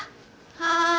はい！